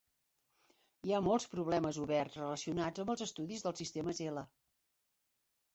Hi ha moltes problemes oberts relacionats amb els estudis dels sistemes L.